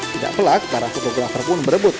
tidak pelak para fotografer pun berebut